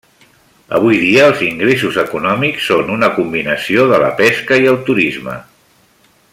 Avui dia els ingressos econòmics són una combinació de la pesca i el turisme.